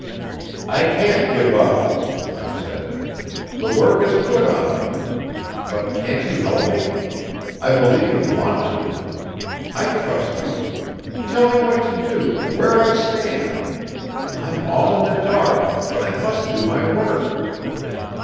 "I can't give up," I said. "The work is put on me. But can't you help me? I believe you want to. I trust you. Tell me what to do where I stand. I'm all in the dark, but I must do my work."